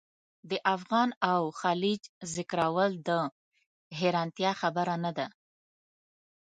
د افغان او خلج ذکرول د حیرانتیا خبره نه ده.